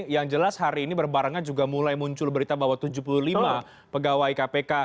yang jelas hari ini berbarengan juga mulai muncul berita bahwa tujuh puluh lima pegawai kpk